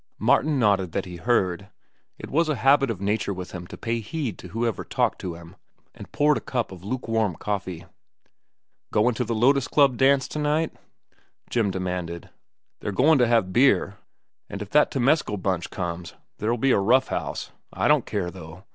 Martin nodded that he heard,—it was a habit of nature with him to pay heed to whoever talked to him,—and poured a cup of lukewarm coffee. "Goin' to the Lotus Club dance to night?" Jim demanded. "They're goin' to have beer, an' if that Temescal bunch comes, there'll be a rough house. I don't care, though.